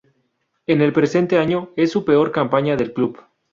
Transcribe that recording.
En el presente año, es su peor campaña del club.